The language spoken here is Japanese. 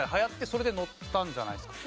それで載ったんじゃないですか？